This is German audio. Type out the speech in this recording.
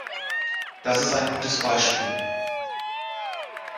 Das ist ein gutes Beispiel.